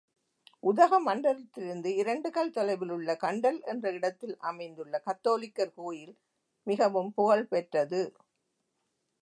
உதகமண்டலத்திலிருந்து இரண்டு கல் தொலைவில் உள்ள கண்டல் என்ற இடத்தில் அமைந்துள்ள கத்தோலிக்கர் கோயில் மிகவும் புகழ் பெற்றது.